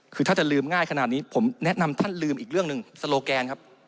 คือถ้าจะลืมง่ายขนาดนี้ผมแนะนำท่านลืมอีกเรื่องหนึ่งสโลแกนครับ